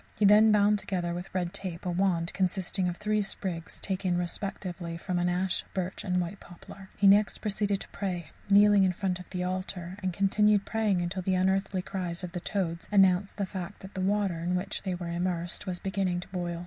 He then bound together, with red tape, a wand consisting of three sprigs taken, respectively, from an ash, birch, and white poplar. He next proceeded to pray, kneeling in front of the altar; and continued praying till the unearthly cries of the toads announced the fact that the water, in which they were immersed, was beginning to boil.